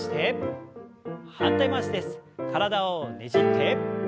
体をねじって。